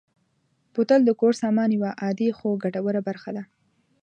بوتل د کور سامان یوه عادي خو ګټوره برخه ده.